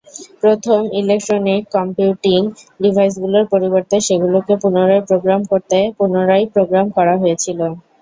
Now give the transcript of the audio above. প্রথম "electronic computing ডিভাইসগুলির পরিবর্তে সেগুলিকে পুনরায় প্রোগ্রাম করতে" পুনরায় প্রোগ্রাম করা হয়েছিল।